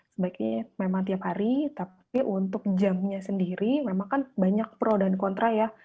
sebaiknya memang tiap hari tapi untuk jamnya sendiri memang kan banyak pro dan kontra ya